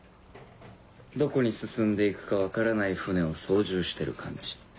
どこに進んで行くか分からない船を操縦してる感じ。